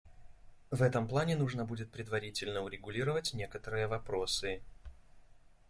В этом плане нужно будет предварительно урегулировать некоторые вопросы.